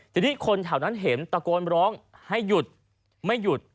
ทีนี้คนแถวนั้นเห็นตะโกนร้องให้หยุดไม่หยุด